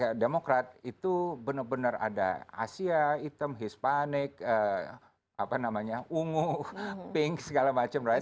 kalau saya demokrat itu benar benar ada asia hitam hispanic apa namanya ungu pink segala macam right